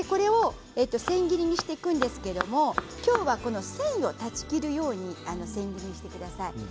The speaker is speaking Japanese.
千切りにしていくんですけどきょうは繊維を断ち切るように千切りにしてください。